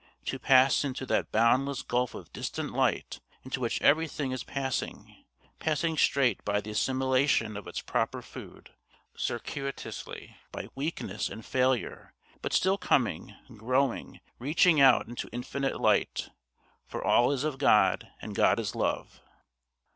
To pass into that boundless gulf of distant light into which everything is passing, passing straight by the assimilation of its proper food, circuitously by weakness and failure, but still coming, growing, reaching out into infinite light, for all is of God, and God is Love.